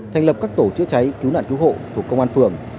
thành lập các tổ chữa cháy cứu nạn cứu hộ của công an phường